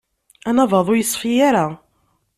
Anabaḍ-a ur yeṣfi ara.